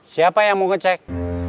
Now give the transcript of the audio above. siapa yang mau ngecek